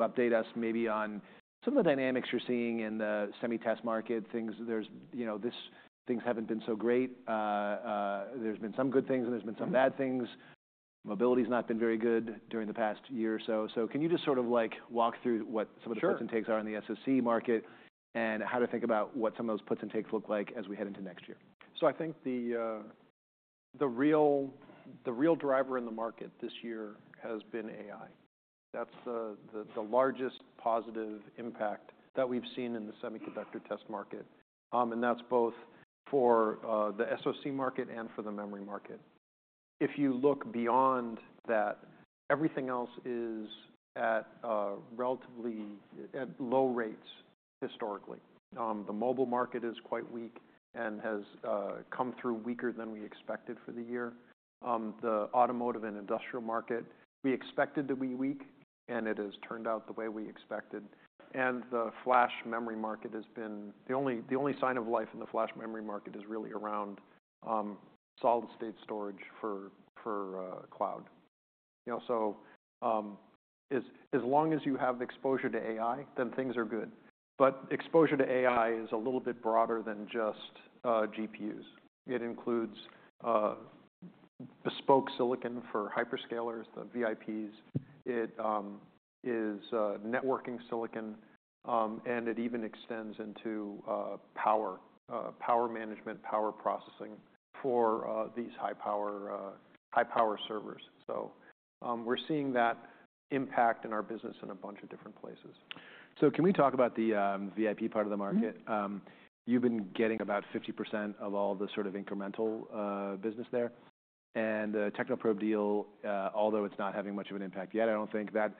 Update us maybe on some of the dynamics you're seeing in the semi-test market. Things, there's, you know, this. Things haven't been so great. There's been some good things and there's been some bad things. Mobility's not been very good during the past year or so. So can you just sort of, like, walk through what some of the puts and takes are in the SoC market and how to think about what some of those puts and takes look like as we head into next year? So I think the real driver in the market this year has been AI. That's the largest positive impact that we've seen in the semiconductor test market, and that's both for the SoC market and for the memory market. If you look beyond that, everything else is at relatively low rates historically. The mobile market is quite weak and has come through weaker than we expected for the year. The automotive and industrial market we expected to be weak, and it has turned out the way we expected. And the only sign of life in the flash memory market is really around solid-state storage for cloud. You know, as long as you have exposure to AI, then things are good. But exposure to AI is a little bit broader than just GPUs. It includes bespoke silicon for hyperscalers, the VIPs. It is networking silicon, and it even extends into power management, power processing for these high-power servers. So, we're seeing that impact in our business in a bunch of different places. So can we talk about the VIP part of the market? You've been getting about 50% of all the sort of incremental business there. And the Technoprobe deal, although it's not having much of an impact yet, I don't think that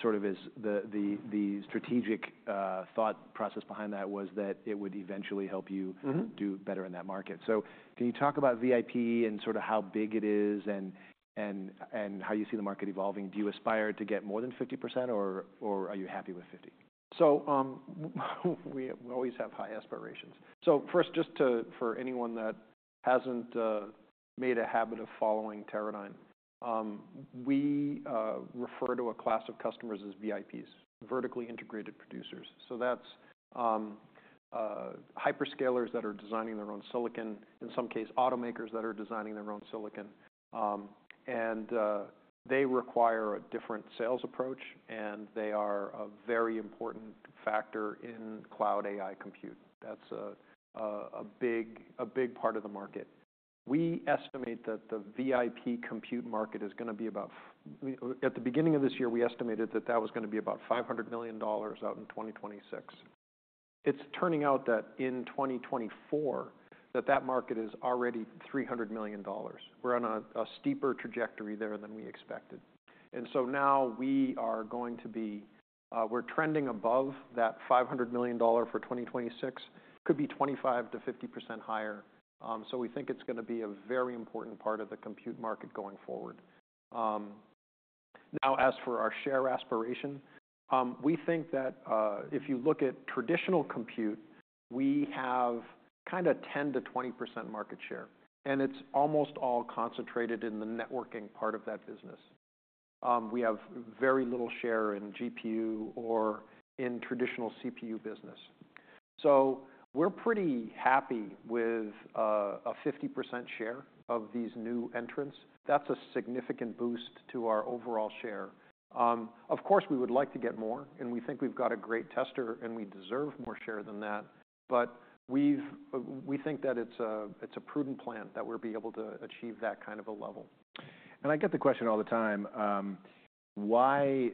sort of is the strategic thought process behind that was that it would eventually help you. Mm-hmm. Do better in that market. So can you talk about VIP and sort of how big it is and how you see the market evolving? Do you aspire to get more than 50%, or are you happy with 50? We always have high aspirations. First, just for anyone that hasn't made a habit of following Teradyne, we refer to a class of customers as VIPs, vertically integrated producers. That's hyperscalers that are designing their own silicon, in some cases, automakers that are designing their own silicon. They require a different sales approach, and they are a very important factor in cloud AI compute. That's a big part of the market. We estimate that the VIP compute market is gonna be about. At the beginning of this year, we estimated that that was gonna be about $500 million out in 2026. It's turning out that in 2024, that market is already $300 million. We're on a steeper trajectory there than we expected. Now we are going to be. We're trending above that $500 million for 2026. Could be 25%-50% higher. So we think it's gonna be a very important part of the compute market going forward. Now, as for our share aspiration, we think that, if you look at traditional compute, we have kinda 10%-20% market share, and it's almost all concentrated in the networking part of that business. We have very little share in GPU or in traditional CPU business. So we're pretty happy with a 50% share of these new entrants. That's a significant boost to our overall share. Of course, we would like to get more, and we think we've got a great tester, and we deserve more share than that. But we think that it's a prudent plan that we'll be able to achieve that kind of a level. I get the question all the time. Why,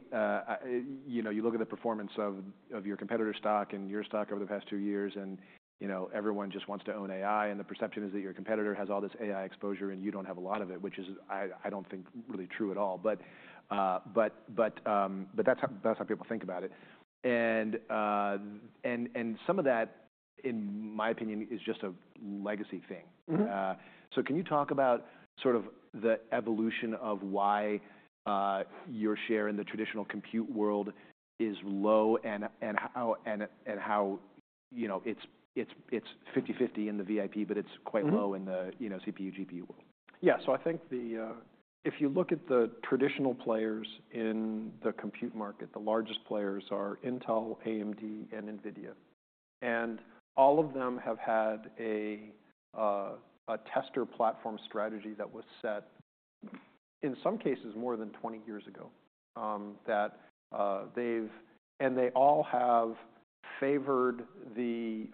you know, you look at the performance of your competitor stock and your stock over the past two years, and, you know, everyone just wants to own AI, and the perception is that your competitor has all this AI exposure and you don't have a lot of it, which is. I don't think really true at all. But that's how people think about it. Some of that, in my opinion, is just a legacy thing. Mm-hmm. Can you talk about sort of the evolution of why your share in the traditional compute world is low and how, you know, it's 50/50 in the VIP, but it's quite low in the, you know, CPU/GPU world? Yeah. So I think the, if you look at the traditional players in the compute market, the largest players are Intel, AMD, and NVIDIA. And all of them have had a, a tester platform strategy that was set, in some cases, more than 20 years ago. That, they've, and they all have favored the,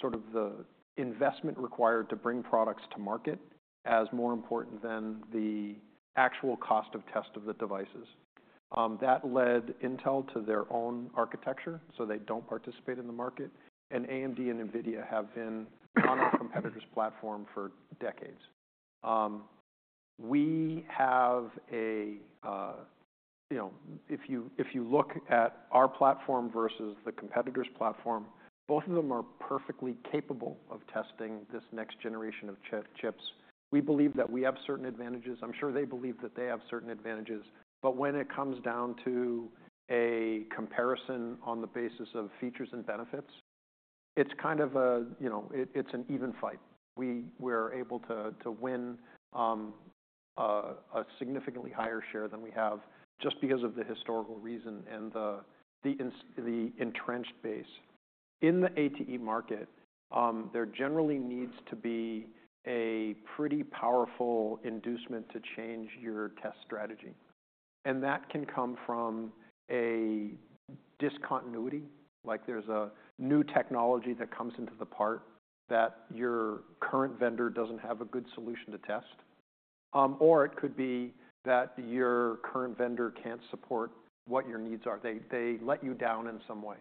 sort of the investment required to bring products to market as more important than the actual cost of test of the devices. That led Intel to their own architecture so they don't participate in the market. And AMD and NVIDIA have been on our competitor's platform for decades. We have a, you know, if you, if you look at our platform versus the competitor's platform, both of them are perfectly capable of testing this next generation of chips. We believe that we have certain advantages. I'm sure they believe that they have certain advantages. But when it comes down to a comparison on the basis of features and benefits, it's kind of a, you know, it's an even fight. We were able to win a significantly higher share than we have just because of the historical reason and the entrenched base. In the ATE market, there generally needs to be a pretty powerful inducement to change your test strategy. And that can come from a discontinuity, like there's a new technology that comes into the part that your current vendor doesn't have a good solution to test, or it could be that your current vendor can't support what your needs are. They let you down in some way.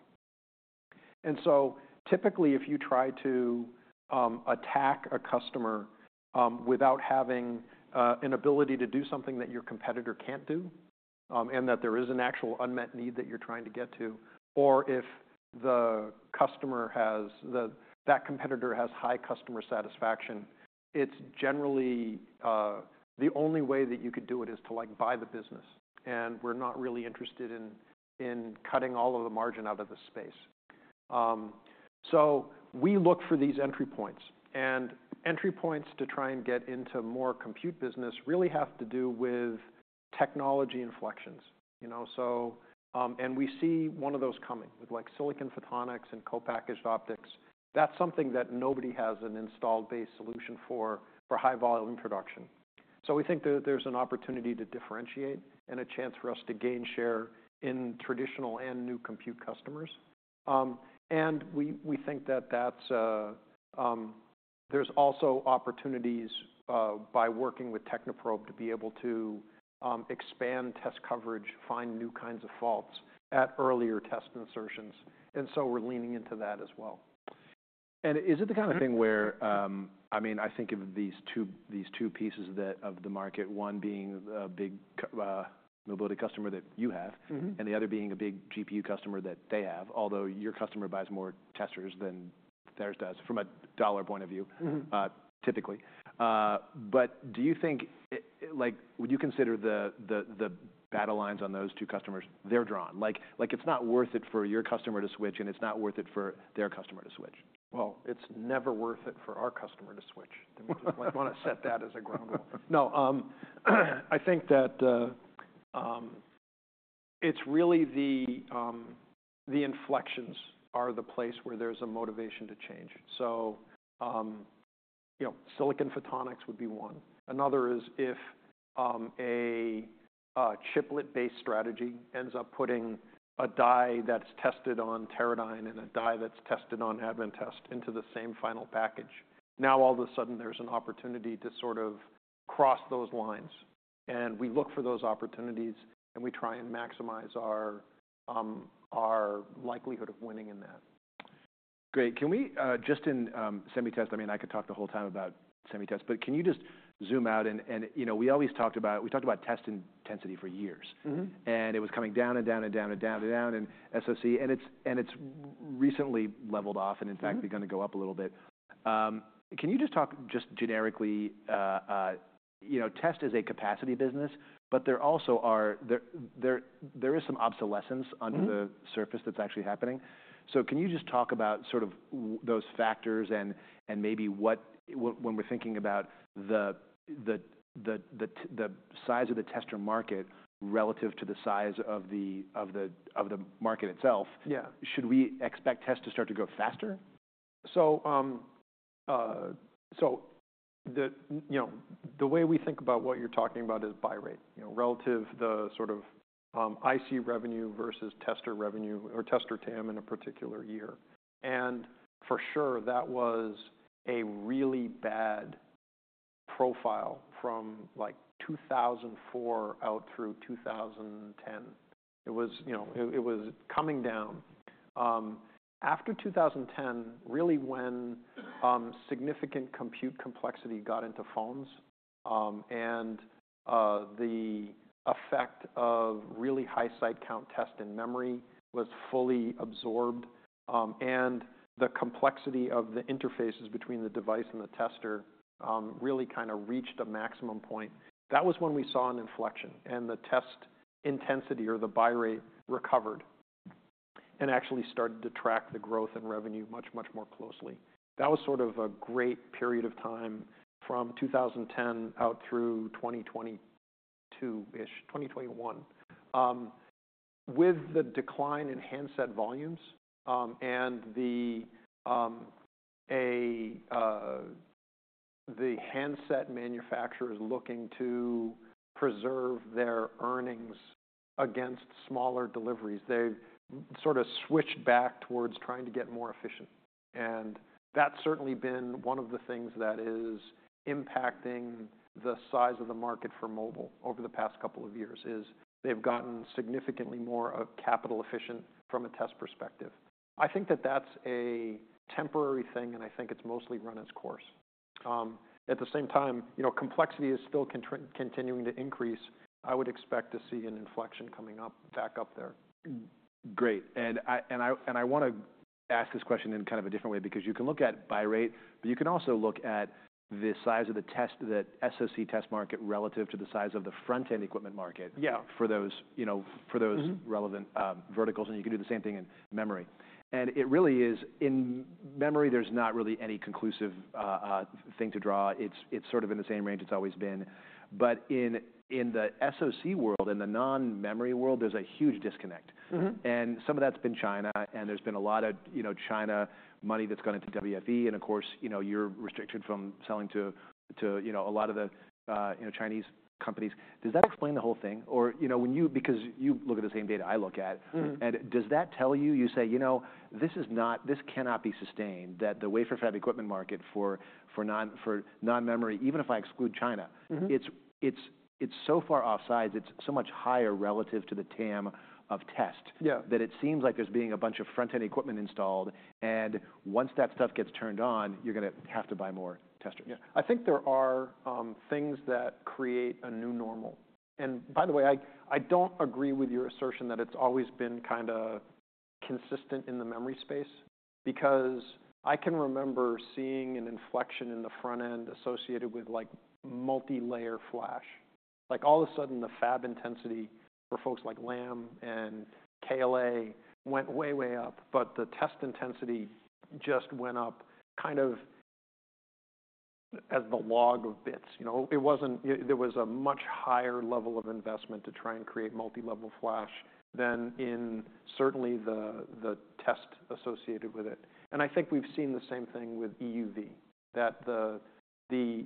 And so typically, if you try to attack a customer without having an ability to do something that your competitor can't do, and that there is an actual unmet need that you're trying to get to, or if the customer has that competitor has high customer satisfaction, it's generally the only way that you could do it is to like buy the business. And we're not really interested in cutting all of the margin out of the space. So we look for these entry points. And entry points to try and get into more compute business really have to do with technology inflections, you know? So we see one of those coming with like silicon photonics and co-packaged optics. That's something that nobody has an installed base solution for high-volume production. So we think that there's an opportunity to differentiate and a chance for us to gain share in traditional and new compute customers. And we think that there's also opportunities by working with Technoprobe to be able to expand test coverage, find new kinds of faults at earlier test insertions. And so we're leaning into that as well. Is it the kind of thing where, I mean, I think of these two pieces of the market, one being a big, mobility customer that you have? Mm-hmm. And the other being a big GPU customer that they have, although your customer buys more testers than theirs does from a dollar point of view. Mm-hmm. Typically, but do you think, like, would you consider the battle lines on those two customers? They're drawn. Like, it's not worth it for your customer to switch, and it's not worth it for their customer to switch. Well, it's never worth it for our customer to switch. They wouldn't wanna set that as a ground rule. No. I think that, it's really the inflections are the place where there's a motivation to change. So, you know, silicon photonics would be one. Another is if a chiplet-based strategy ends up putting a die that's tested on Teradyne and a die that's tested on Advantest into the same final package, now all of a sudden there's an opportunity to sort of cross those lines. And we look for those opportunities, and we try and maximize our likelihood of winning in that. Great. Can we just in semi-test? I mean, I could talk the whole time about semi-test, but can you just zoom out and you know, we talked about test intensity for years. Mm-hmm. And it was coming down and down and down and down and down in SoC, and it's, and it's recently leveled off and, in fact, begun to go up a little bit. Can you just talk just generically, you know, test is a capacity business, but there also are, there is some obsolescence under the surface that's actually happening. So can you just talk about sort of those factors and, and maybe what, when we're thinking about the, the, the, the size of the tester market relative to the size of the, of the, of the market itself. Yeah. Should we expect test to start to go faster? So the way we think about what you're talking about is buy rate, you know, relative to the sort of IC revenue versus tester revenue or tester TAM in a particular year. For sure, that was a really bad profile from, like, 2004 out through 2010. It was, you know, it was coming down. After 2010, really when significant compute complexity got into phones, and the effect of really high site count test in memory was fully absorbed, and the complexity of the interfaces between the device and the tester really kinda reached a maximum point, that was when we saw an inflection, and the test intensity or the buy rate recovered and actually started to track the growth and revenue much, much more closely. That was sort of a great period of time from 2010 out through 2022-ish, 2021. With the decline in handset volumes, and the handset manufacturers looking to preserve their earnings against smaller deliveries, they've sort of switched back towards trying to get more efficient. And that's certainly been one of the things that is impacting the size of the market for mobile over the past couple of years is they've gotten significantly more capital efficient from a test perspective. I think that that's a temporary thing, and I think it's mostly run its course. At the same time, you know, complexity is still continuing to increase. I would expect to see an inflection coming up back up there. Great. I wanna ask this question in kind of a different way because you can look at buy rate, but you can also look at the size of the SoC test market relative to the size of the front-end equipment market. Yeah. For those, you know, for those relevant verticals, and you can do the same thing in memory. And it really is in memory, there's not really any conclusive thing to draw. It's, it's sort of in the same range it's always been. But in, in the SoC world, in the non-memory world, there's a huge disconnect. Mm-hmm. And some of that's been China, and there's been a lot of, you know, China money that's gone into WFE, and of course, you know, you're restricted from selling to, you know, a lot of the, you know, Chinese companies. Does that explain the whole thing? Or, you know, when you, because you look at the same data I look at. Mm-hmm. Does that tell you? You say, you know, this is not. This cannot be sustained, that the wafer fab equipment market for non-memory, even if I exclude China. Mm-hmm. It's so far offsides. It's so much higher relative to the TAM of test. Yeah. That it seems like there's being a bunch of front-end equipment installed, and once that stuff gets turned on, you're gonna have to buy more testers. Yeah. I think there are things that create a new normal, and by the way, I, I don't agree with your assertion that it's always been kinda consistent in the memory space because I can remember seeing an inflection in the front-end associated with, like, multi-layer flash. Like, all of a sudden, the fab intensity for folks like Lam and KLA went way, way up, but the test intensity just went up kind of as the log of bits, you know? It wasn't. There was a much higher level of investment to try and create multi-level flash than in certainly the, the test associated with it, and I think we've seen the same thing with EUV, that the, the,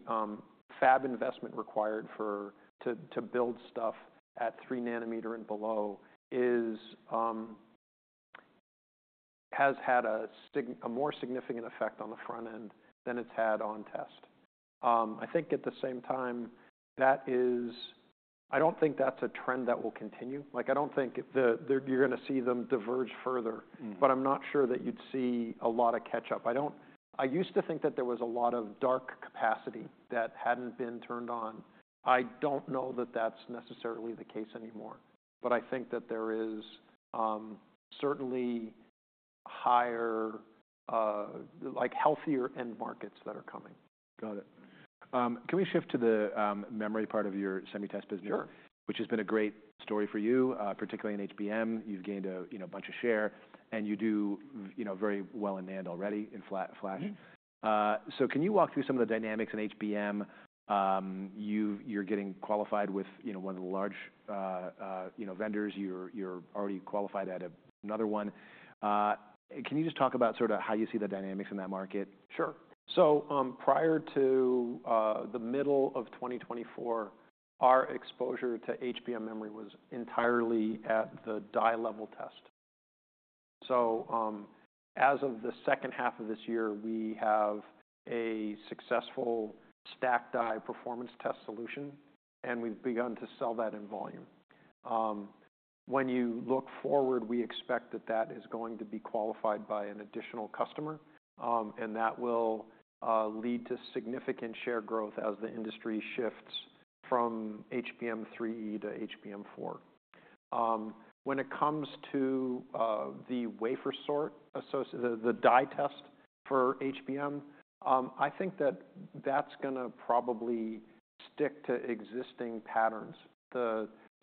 fab investment required for to, to build stuff at 3-nanometer and below is, has had a sig, a more significant effect on the front-end than it's had on test. I think at the same time, that is, I don't think that's a trend that will continue. Like, I don't think you're gonna see them diverge further. Mm-hmm. But I'm not sure that you'd see a lot of catch-up. I don't. I used to think that there was a lot of dark capacity that hadn't been turned on. I don't know that that's necessarily the case anymore. But I think that there is, certainly higher, like, healthier end markets that are coming. Got it. Can we shift to the memory part of your semi-test business? Sure. Which has been a great story for you, particularly in HBM. You've gained a, you know, a bunch of share, and you do, you know, very well in NAND already in flash. Mm-hmm. So can you walk through some of the dynamics in HBM? You're getting qualified with, you know, one of the large, you know, vendors. You're already qualified at another one. Can you just talk about sort of how you see the dynamics in that market? Sure. So, prior to the middle of 2024, our exposure to HBM memory was entirely at the die-level test. So, as of the second half of this year, we have a successful stack die performance test solution, and we've begun to sell that in volume. When you look forward, we expect that is going to be qualified by an additional customer, and that will lead to significant share growth as the industry shifts from HBM3E to HBM4. When it comes to the wafer sort, the die test for HBM, I think that that's gonna probably stick to existing patterns.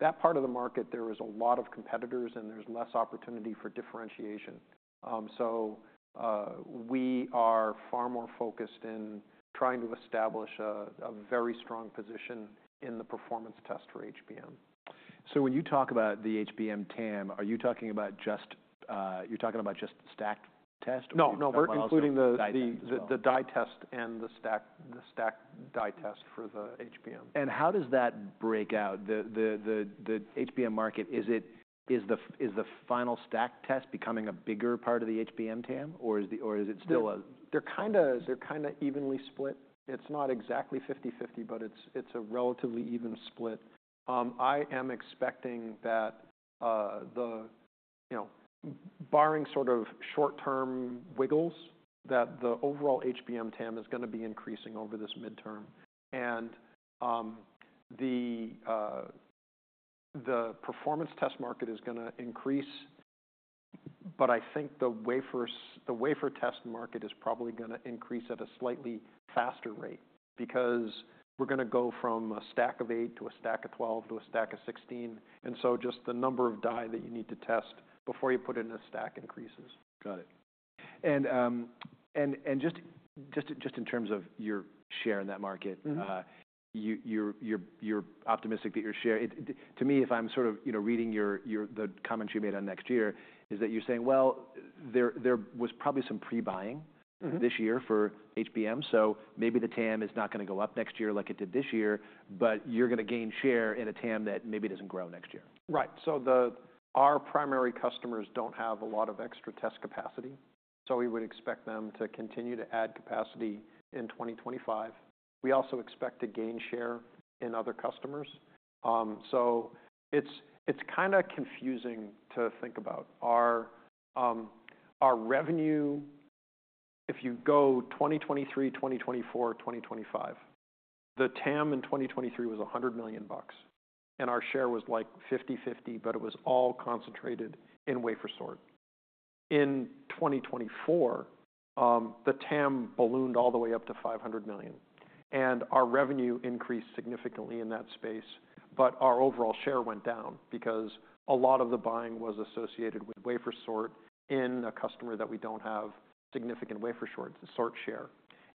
That part of the market, there is a lot of competitors, and there's less opportunity for differentiation. So, we are far more focused in trying to establish a very strong position in the performance test for HBM. So when you talk about the HBM TAM, are you talking about just—you're talking about just stacked test or the entire die test? No, no. We're including the die test and the stacked die test for the HBM. How does that break out? The HBM market, is the final stack test becoming a bigger part of the HBM TAM, or is it still a? They're kinda evenly split. It's not exactly 50/50, but it's a relatively even split. I am expecting that, you know, barring sort of short-term wiggles, that the overall HBM TAM is gonna be increasing over this midterm, and the performance test market is gonna increase, but I think the wafer test market is probably gonna increase at a slightly faster rate because we're gonna go from a stack of eight to a stack of 12 to a stack of 16, and so just the number of die that you need to test before you put it in a stack increases. Got it. And just in terms of your share in that market. Mm-hmm. You're optimistic that your share. It seems to me, if I'm sort of, you know, reading your, the comments you made on next year, is that you're saying, well, there was probably some pre-buying. Mm-hmm. This year for HBM. So maybe the TAM is not gonna go up next year like it did this year, but you're gonna gain share in a TAM that maybe doesn't grow next year. Right. So our primary customers don't have a lot of extra test capacity, so we would expect them to continue to add capacity in 2025. We also expect to gain share in other customers. So it's kinda confusing to think about. Our revenue, if you go 2023, 2024, 2025, the TAM in 2023 was $100 million, and our share was like 50/50, but it was all concentrated in wafer sort. In 2024, the TAM ballooned all the way up to $500 million, and our revenue increased significantly in that space, but our overall share went down because a lot of the buying was associated with wafer sort in a customer that we don't have significant wafer sort share.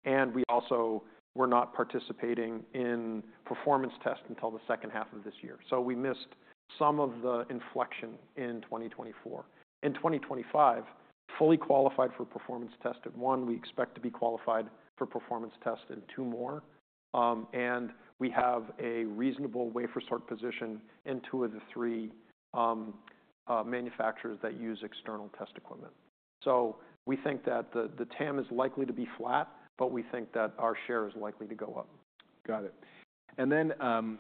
And we also were not participating in performance test until the second half of this year. So we missed some of the inflection in 2024. In 2025, fully qualified for performance test at one. We expect to be qualified for performance test at two more, and we have a reasonable wafer sort position in two of the three manufacturers that use external test equipment. So we think that the TAM is likely to be flat, but we think that our share is likely to go up. Got it. And then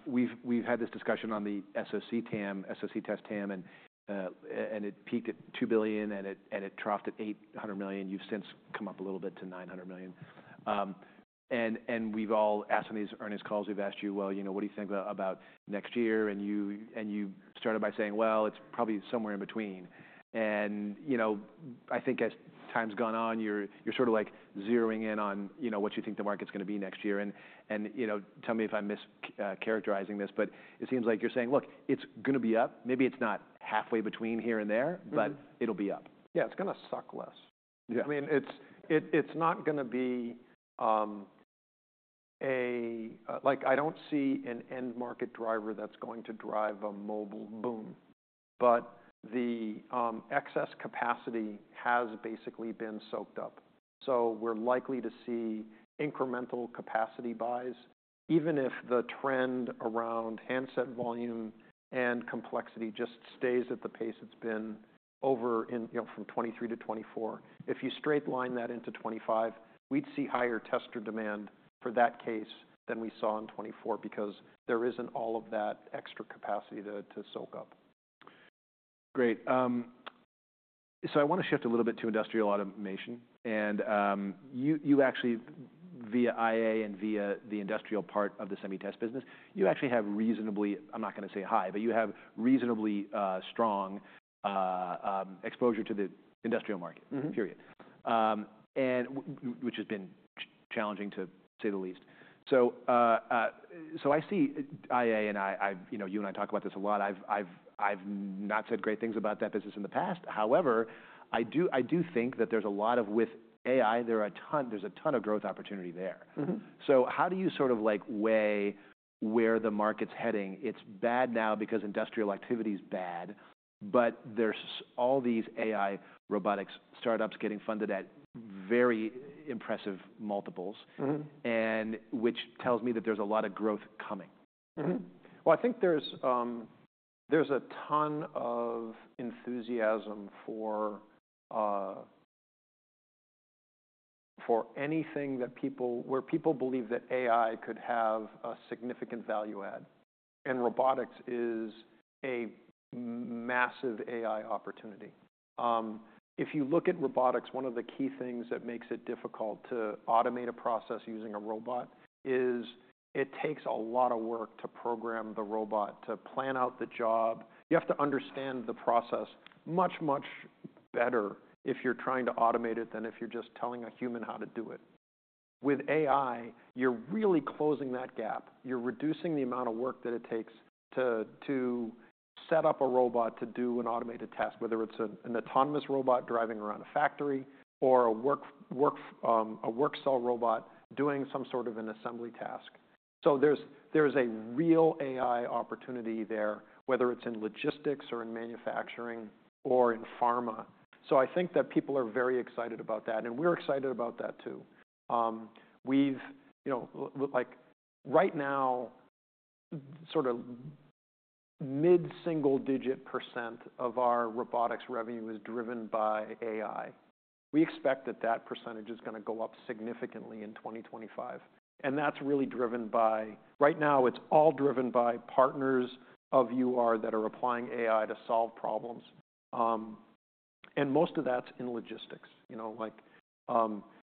we've had this discussion on the SoC TAM, SoC test TAM, and it peaked at $2 billion, and it troughed at $800 million. You've since come up a little bit to $900 million. And we've all asked on these earnings calls. We've asked you, well, you know, what do you think about next year? And you started by saying, well, it's probably somewhere in between. And you know, I think as time's gone on, you're sort of like zeroing in on, you know, what you think the market's gonna be next year. And you know, tell me if I'm mis-characterizing this, but it seems like you're saying, look, it's gonna be up. Maybe it's not halfway between here and there, but it'll be up. Yeah. It's gonna suck less. Yeah. I mean, it's not gonna be like, I don't see an end market driver that's going to drive a mobile boom, but the excess capacity has basically been soaked up. So we're likely to see incremental capacity buys, even if the trend around handset volume and complexity just stays at the pace it's been over in, you know, from 2023 to 2024. If you straight line that into 2025, we'd see higher tester demand for that case than we saw in 2024 because there isn't all of that extra capacity to soak up. Great. So I wanna shift a little bit to industrial automation, and you actually, via IA and via the industrial part of the semi-test business, you actually have reasonably, I'm not gonna say high, but you have reasonably strong exposure to the industrial market. Mm-hmm. Period and which has been challenging to say the least. So, I see AI and, you know, you and I talk about this a lot. I've not said great things about that business in the past. However, I do think that there's a lot of, with AI, there's a ton of growth opportunity there. Mm-hmm. So how do you sort of like weigh where the market's heading? It's bad now because industrial activity's bad, but there's all these AI robotics startups getting funded at very impressive multiples. Mm-hmm. Which tells me that there's a lot of growth coming. Mm-hmm. Well, I think there's a ton of enthusiasm for anything that people, where people believe that AI could have a significant value add. And robotics is a massive AI opportunity. If you look at robotics, one of the key things that makes it difficult to automate a process using a robot is it takes a lot of work to program the robot to plan out the job. You have to understand the process much, much better if you're trying to automate it than if you're just telling a human how to do it. With AI, you're really closing that gap. You're reducing the amount of work that it takes to set up a robot to do an automated task, whether it's an autonomous robot driving around a factory or a work cell robot doing some sort of an assembly task. So there's a real AI opportunity there, whether it's in logistics or in manufacturing or in pharma. So I think that people are very excited about that, and we're excited about that too. We've, you know, like, right now, sort of mid-single-digit% of our robotics revenue is driven by AI. We expect that that percentage is gonna go up significantly in 2025. And that's really driven by. Right now, it's all driven by partners of UR that are applying AI to solve problems. And most of that's in logistics, you know, like,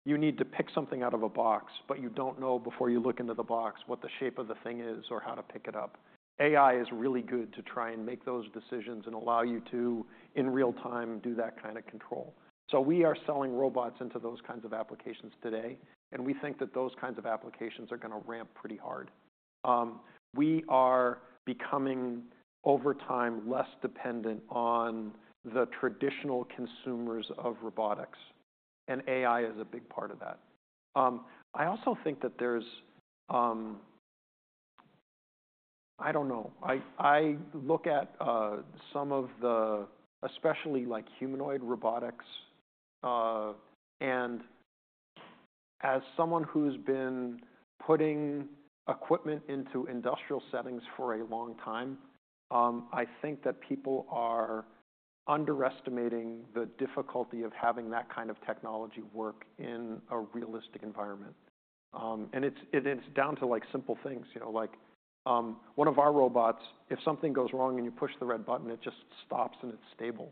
you need to pick something out of a box, but you don't know before you look into the box what the shape of the thing is or how to pick it up. AI is really good to try and make those decisions and allow you to, in real time, do that kinda control. So we are selling robots into those kinds of applications today, and we think that those kinds of applications are gonna ramp pretty hard. We are becoming, over time, less dependent on the traditional consumers of robotics, and AI is a big part of that. I also think that there's, I don't know. I, I look at, some of the, especially like humanoid robotics, and as someone who's been putting equipment into industrial settings for a long time, I think that people are underestimating the difficulty of having that kind of technology work in a realistic environment, and it's, it's down to like simple things, you know, like, one of our robots, if something goes wrong and you push the red button, it just stops and it's stable.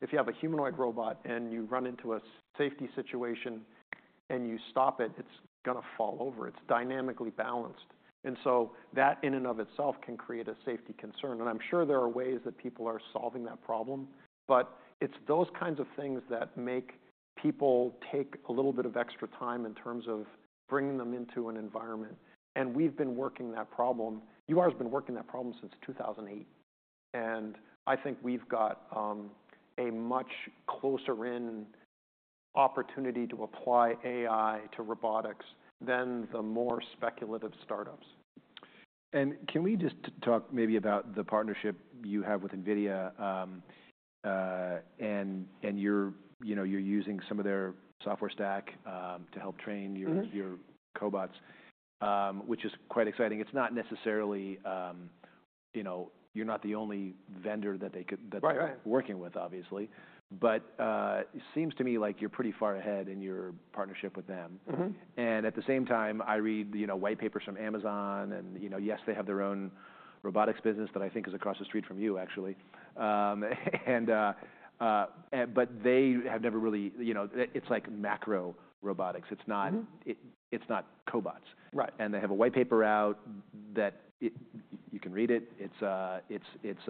If you have a humanoid robot and you run into a safety situation and you stop it, it's gonna fall over. It's dynamically balanced. And so that in and of itself can create a safety concern. And I'm sure there are ways that people are solving that problem, but it's those kinds of things that make people take a little bit of extra time in terms of bringing them into an environment. And we've been working that problem. You guys have been working that problem since 2008. And I think we've got a much closer-in opportunity to apply AI to robotics than the more speculative startups. Can we just talk maybe about the partnership you have with NVIDIA, and you're, you know, you're using some of their software stack, to help train your cobots, which is quite exciting. It's not necessarily, you know, you're not the only vendor that they could they're working with, obviously. It seems to me like you're pretty far ahead in your partnership with them. Mm-hmm. At the same time, I read, you know, white papers from Amazon and, you know, yes, they have their own robotics business that I think is across the street from you, actually. But they have never really, you know, it's like macro robotics. It's not, it's not cobots. Right. And they have a white paper out that you can read it. It's,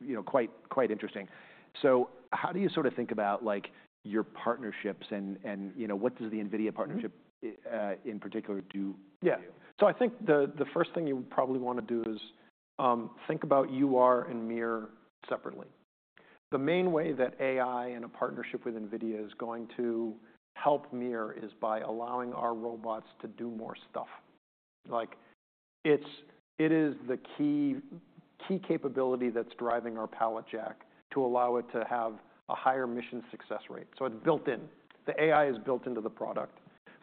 you know, quite interesting. So how do you sort of think about like your partnerships and, you know, what does the NVIDIA partnership, in particular, do to you? Yeah. So I think the first thing you probably wanna do is think about UR and MiR separately. The main way that AI and a partnership with NVIDIA is going to help MiR is by allowing our robots to do more stuff. Like, it is the key capability that's driving our pallet jack to allow it to have a higher mission success rate. So it's built in. The AI is built into the product.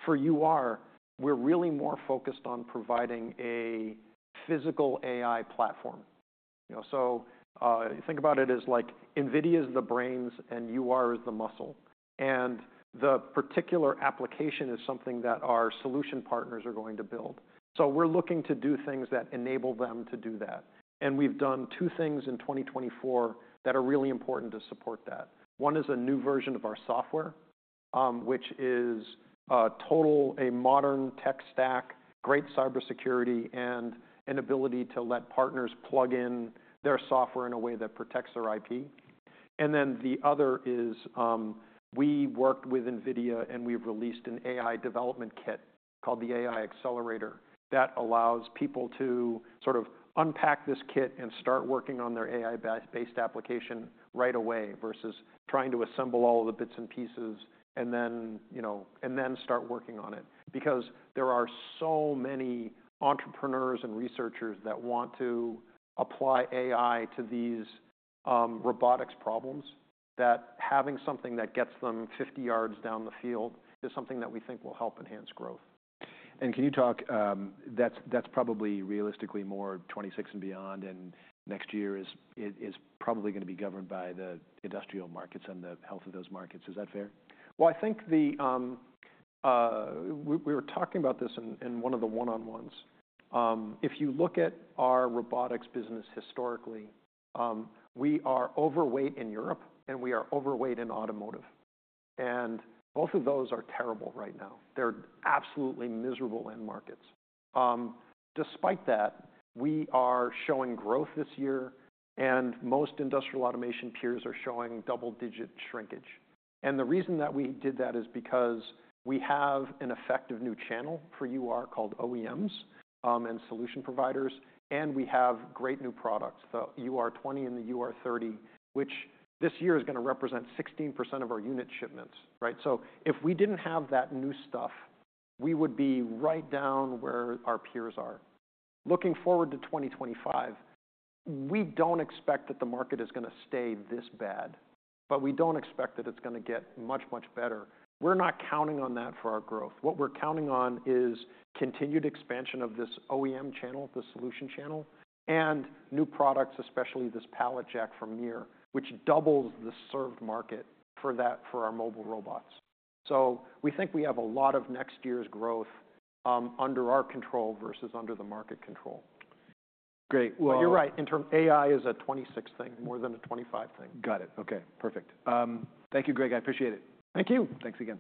For UR, we're really more focused on providing a physical AI platform. You know, so think about it as like NVIDIA is the brains and UR is the muscle. And the particular application is something that our solution partners are going to build. So we're looking to do things that enable them to do that. And we've done two things in 2024 that are really important to support that. One is a new version of our software, which is a total, a modern tech stack, great cybersecurity, and an ability to let partners plug in their software in a way that protects their IP. And then the other is, we worked with NVIDIA and we've released an AI development kit called the AI Accelerator that allows people to sort of unpack this kit and start working on their AI-based application right away versus trying to assemble all of the bits and pieces and then, you know, and then start working on it. Because there are so many entrepreneurs and researchers that want to apply AI to these, robotics problems that having something that gets them 50 yards down the field is something that we think will help enhance growth. Can you talk? That's probably realistically more 2026 and beyond, and next year is probably gonna be governed by the industrial markets and the health of those markets. Is that fair? I think we were talking about this in one of the one-on-ones. If you look at our robotics business historically, we are overweight in Europe and we are overweight in automotive. Both of those are terrible right now. They're absolutely miserable end markets. Despite that, we are showing growth this year and most industrial automation peers are showing double-digit shrinkage. The reason that we did that is because we have an effective new channel for UR called OEMs, and solution providers, and we have great new products, the UR20 and the UR30, which this year is gonna represent 16% of our unit shipments, right? If we didn't have that new stuff, we would be right down where our peers are. Looking forward to 2025, we don't expect that the market is gonna stay this bad, but we don't expect that it's gonna get much, much better. We're not counting on that for our growth. What we're counting on is continued expansion of this OEM channel, the solution channel, and new products, especially this pallet jack from MiR, which doubles the served market for that, for our mobile robots. So we think we have a lot of next year's growth, under our control versus under the market control. Great. Well. But you're right. In the near term, AI is a 2026 thing, more than a 2025 thing. Got it. Okay. Perfect. Thank you, Greg. I appreciate it. Thank you. Thanks again.